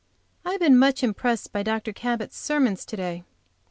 I have been much impressed by Dr. Cabot's sermons to day.